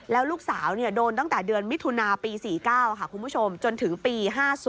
แล้วลูกสาวเนี่ยโดนตั้งแต่เดือนมิถุนาปี๔๙จนถึงปี๕๐